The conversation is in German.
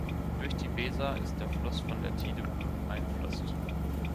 Durch die Weser ist der Fluss von der Tide beeinflusst.